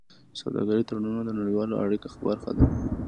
سوداګریز تړونونه د نړیوالو اړیکو برخه ده.